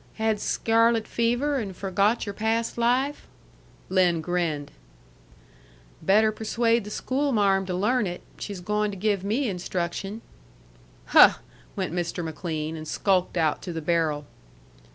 "Had scyarlet fever and forgot your past life?" Lin grinned. "Better persuade the schoolmarm to learn it. She's goin' to give me instruction." "Huh!" went Mr. McLean, and skulked out to the barrel.